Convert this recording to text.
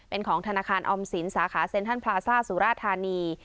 เป็นของธนาคารออมสินสาขาเซ็นทันพลาซ่าสุราธานี